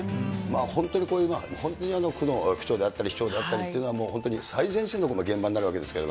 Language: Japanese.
本当にこういう、区の区長であったり市長であったりというのは、本当に最前線の現場になるわけですけど。